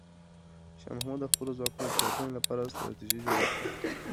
شاه محمود د خپلو ځواکونو د ساتنې لپاره ستراتیژي جوړه کړه.